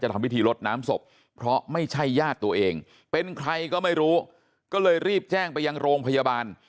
ทำพิธีลดน้ำศพเพราะไม่ใช่ญาติตัวเองเป็นใครก็ไม่รู้ก็เลยรีบแจ้งไปยังโรงพยาบาล